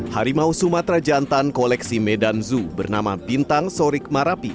harimau sumatera jantan koleksi medan zoo bernama bintang sorik marapi